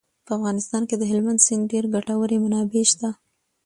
په افغانستان کې د هلمند سیند ډېرې ګټورې منابع شته.